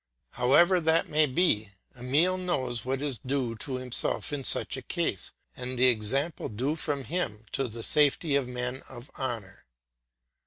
However that may be, Emile knows what is due to himself in such a case, and the example due from him to the safety of men of honour.